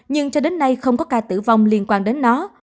nhưng cho đến nay không có ca tử vong liên quan đến nó